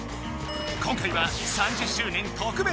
今回は３０周年特別試合！